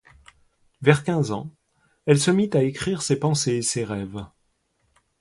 Vers quinze ans, elle se mit à écrire ses pensées et ses rêves.